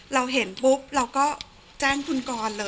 เราเห็นปุ๊บเราก็แจ้งคุณกรเลย